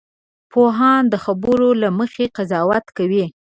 پوهان د خبرو له مخې قضاوت کوي